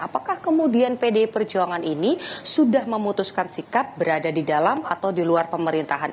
apakah kemudian pdi perjuangan ini sudah memutuskan sikap berada di dalam atau di luar pemerintahan